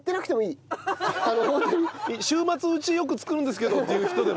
「週末うちよく作るんですけど」っていう人でも。